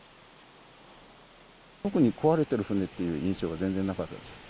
特に壊れている船っていう印象は全然なかったです。